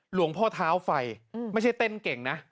หลวงพ่อเท้าไฟไม่ใช่เต้นเก่งนะ